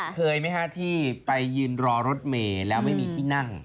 เคยไหมฮะที่ไปยืนรอรถเมย์แล้วไม่มีที่นั่ง